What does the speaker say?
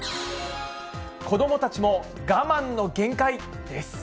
子どもたちも我慢の限界です。